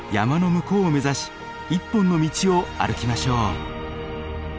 向こうを目指し一本の道を歩きましょう。